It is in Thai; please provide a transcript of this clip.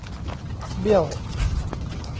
เบี้ยว !